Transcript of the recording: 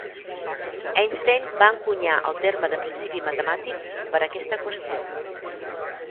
Einstein va encunyar el terme de principi matemàtic per aquesta qüestió.